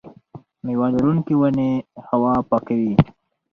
میوه لرونکې ونې هوا پاکوي.